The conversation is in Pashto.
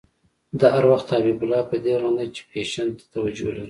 ده هر وخت حبیب الله په دې غندی چې فېشن ته توجه لري.